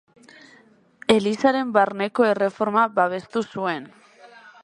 Elizaren barneko erreforma babestu zuen.